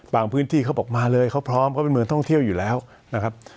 พื้นที่เขาบอกมาเลยเขาพร้อมเขาเป็นเมืองท่องเที่ยวอยู่แล้วนะครับ